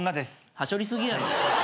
はしょり過ぎやろ。